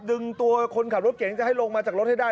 ดึงตัวคนขับรถเก่งจะให้ลงมาจากรถให้ได้